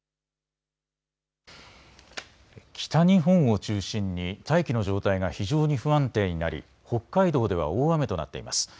北日本を中心に大気の状態が非常に不安定になり北海道では大雨となっています。